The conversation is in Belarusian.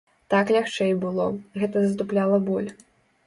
Так лягчэй было, гэта затупляла боль.